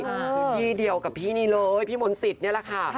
คือที่เดียวกับพี่นี่เลยพี่มนต์สิทธิ์นี่แหละค่ะ